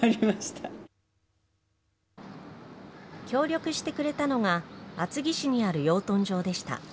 協力してくれたのが、厚木市にある養豚場でした。